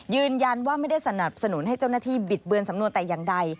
ยืนยันว่าไม่ได้สนับสนุนให้เจ้าหน้าที่บิดเบือนสำนวนแต่อย่างใด